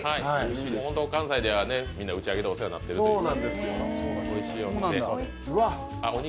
関西ではみんな打ち上げでお世話になってるおいしいお店。